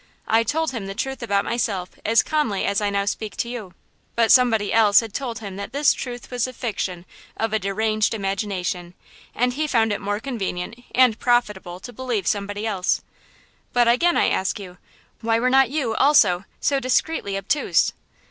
I told him the truth about myself as calmly as I now speak to you, but somebody else had told him that this truth was the fiction of a deranged imagination, and he found it more convenient and profitable to believe somebody else. But again I ask you, why were not you, also, so discreetly obtuse?"